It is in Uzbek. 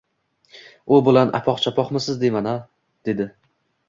U bilan... apoq-chapoqmisiz deyman? — dedi.